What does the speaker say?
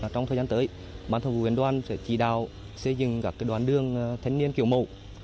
trong thời gian tới bản thân của huyện đoàn sẽ chỉ đạo xây dựng các đoàn đường thanh niên kiểu mẫu